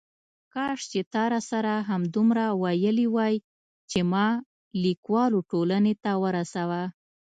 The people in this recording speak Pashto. کاش چې تا راسره همدومره ویلي وای چې ما لیکوالو ټولنې ته ورسوه.